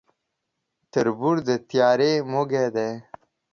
تر بور د تيارې موږى دى.